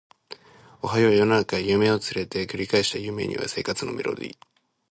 おはよう世の中夢を連れて繰り返した夢には生活のメロディ